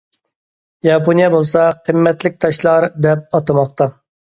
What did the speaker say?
ياپونىيە بولسا« قىممەتلىك تاشلار» دەپ ئاتىماقتا.